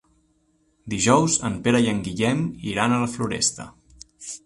Dijous en Pere i en Guillem iran a la Floresta.